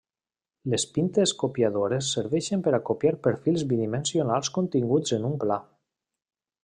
Les pintes copiadores serveixen per a copiar perfils bidimensionals continguts en un pla.